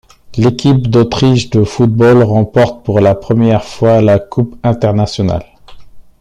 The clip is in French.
L'équipe d'Autriche de football remporte pour la première fois la Coupe internationale.